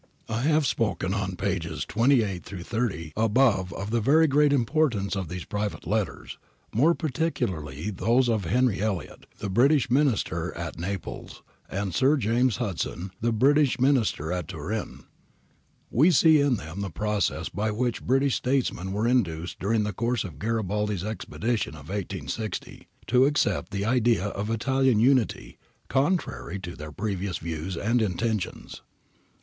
I have spoken on pp. 28 30 above of the very great importance of these private letters, more particularly those of Henry Elliot, the British Minister at Naples, and Sir James Hudson, the British Minister at Turin. We see in them the process by which British statesmen were induced during the course of Garibaldi's expedition of i860 to accept the idea of Italian Unity contrary to their previous views and intentions.